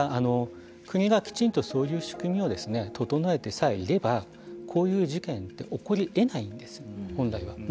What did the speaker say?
国がきちんとそういう仕組みを整えてさえいればこういう事件って起こり得ないんです本来は。